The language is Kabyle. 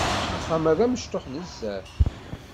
Axxam-a d amecṭuḥ nezzeh.